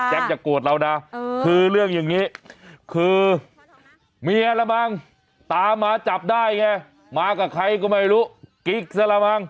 อย่าโกรธเรานะคือเรื่องอย่างนี้คือเมียละมั้งตามมาจับได้ไงมากับใครก็ไม่รู้กิ๊กซะละมั้ง